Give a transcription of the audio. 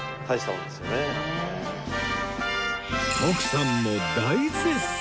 徳さんも大絶賛！